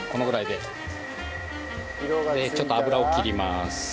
でちょっと油を切ります。